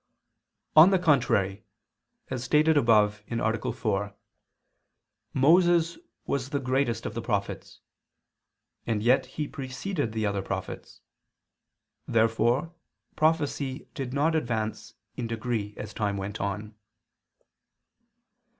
On the contrary, As stated above (A. 4), Moses was the greatest of the prophets, and yet he preceded the other prophets. Therefore prophecy did not advance in degree as time went on.